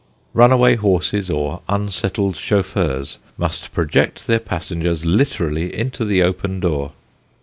Runaway horses or unsettled chauffeurs must project their passengers literally into the open door.